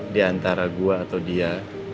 di antara gua atau dia